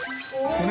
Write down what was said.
これ。